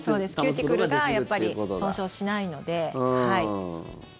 キューティクルが損傷しないので。